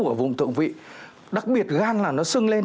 ở vùng thượng vị đặc biệt gan là nó sưng lên